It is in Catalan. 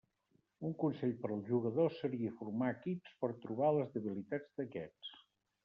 Un consell per als jugadors seria formar equips per trobar les debilitats d'aquests.